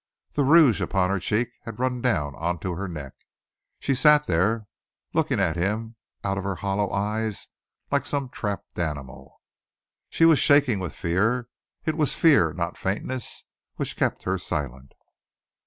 The rouge upon her cheeks had run down on to her neck. She sat there, looking at him out of her hollow eyes like some trapped animal. She was shaking with fear. It was fear, not faintness, which kept her silent.